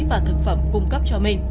và thực phẩm cung cấp cho minh